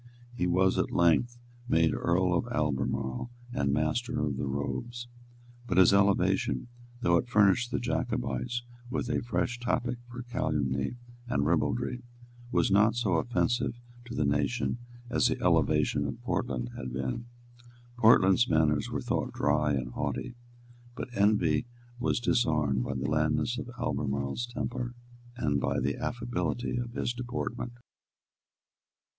He was at length made Earl of Albemarle and Master of the Robes. But his elevation, though it furnished the Jacobites with a fresh topic for calumny and ribaldry, was not so offensive to the nation as the elevation of Portland had been. Portland's manners were thought dry and haughty; but envy was disarmed by the blandness of Albemarle's temper and by the affability of his deportment.